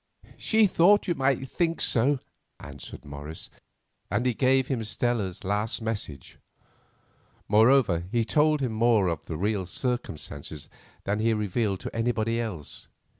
"She thought you might think so," answered Morris, and he gave him Stella's last message. Moreover, he told him more of the real circumstances than he revealed to anybody else.